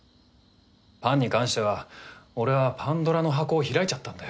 パンに関しては俺はパンドラの箱を開いちゃったんだよ。